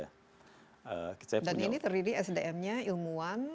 dan ini terdiri sdm nya ilmuwan